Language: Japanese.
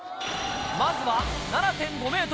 まずは７．５ｍです。